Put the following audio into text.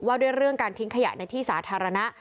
ว่าด้วยเรื่องการทิ้งขยะในที่สาธารณะ